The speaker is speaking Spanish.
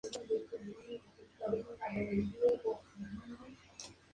Esta expedición es considerada aún como la más importante realizada en el área.